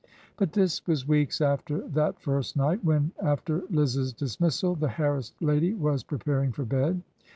'' But this was weeks after that first night, when, after Liz's dismissal, the harassed lady was preparing for bed.